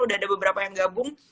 udah ada beberapa yang gabung